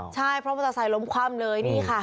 ใช่เพราะเราจะใส่ล้มคว่ำเลย